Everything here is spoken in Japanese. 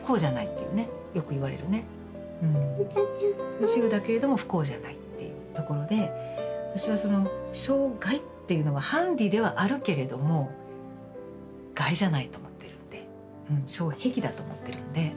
不自由だけれども不幸じゃないっていうところで私はその障害っていうのはハンディではあるけれども害じゃないと思ってるんで障壁だと思ってるんで。